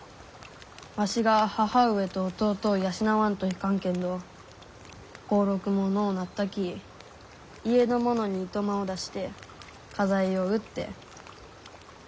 わしが母上と弟を養わんといかんけんど俸禄ものうなったき家の者に暇を出して家財を売って。